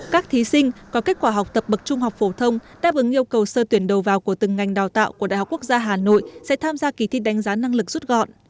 các thí sinh có kết quả học tập bậc trung học phổ thông đáp ứng yêu cầu sơ tuyển đầu vào của từng ngành đào tạo của đại học quốc gia hà nội sẽ tham gia kỳ thi đánh giá năng lực rút gọn